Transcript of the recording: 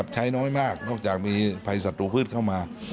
ใช้น้อยมากนอกจากมีไพสัตว์อุปื่นเข้ามา